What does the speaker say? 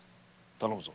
頼むぞ。